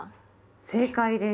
正解です。